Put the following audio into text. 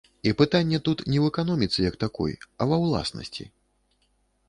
І пытанне тут не ў эканоміцы як такой, а ва ўласнасці.